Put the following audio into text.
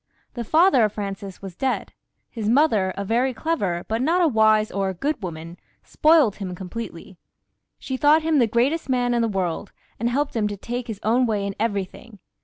The father of Francis was dead ; his mother, a very clever, but not a wise or good woman, spoilt him completely. She thought him the greatest man in the world, and helped him to take his own way in everything.